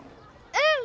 うん！